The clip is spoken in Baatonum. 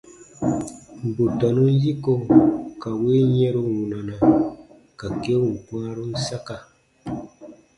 Bù tɔnun yiko ka win yɛ̃ru wunana, ka keun kpãarun saka.